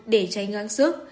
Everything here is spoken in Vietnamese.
để chay ngang sức